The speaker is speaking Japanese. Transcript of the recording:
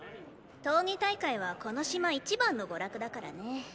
闘技大会はこの島一番の娯楽だからね。